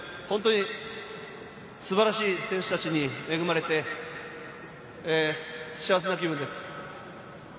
本当に素晴らしい選手たちに恵まれて、幸せな気分です。